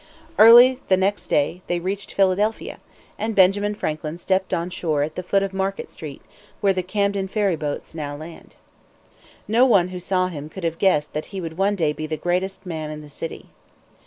Early the next day they reached Philadelphia, and Benjamin Franklin stepped on shore at the foot of Market street, where the Camden ferry boats now land. No one who saw him could have guessed that he would one day be the greatest man in the city.